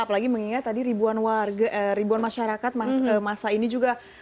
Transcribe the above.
apalagi mengingat tadi ribuan masyarakat masa ini juga